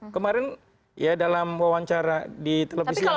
kemarin ya dalam wawancara di televisi yang lain